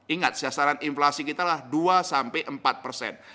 ingat sasaran inflasi kita adalah dua sampai empat persen